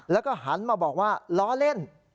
แล้วก็หันมาบอกว่าล้อเล่น